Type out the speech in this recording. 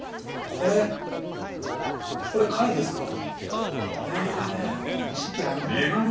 これこれ貝ですか？